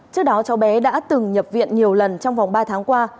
trước đó cháu bé đã từng nhập viện nhiều lần trong vòng ba tháng qua